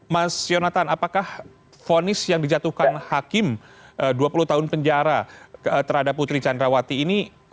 mas yonatan apakah fonis yang dijatuhkan hakim dua puluh tahun penjara terhadap putri candrawati ini